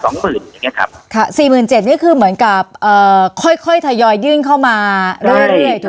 ๔๗๐๐๐นี่คือเหมือนกับค่อยถยอยยื่นเข้ามาเลยถูกมั้ยครับ